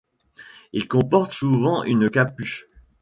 Il comporte souvent une capuche.